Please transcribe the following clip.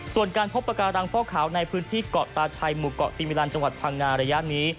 ส่วนการพบปากการังฟอกขาวในพื้นที่เกาะตาชัยหมู่เกาะซีมิลันจังหวัดพังงาระยะนี้